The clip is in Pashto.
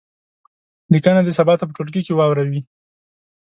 لیکنه دې سبا ته په ټولګي کې واوروي.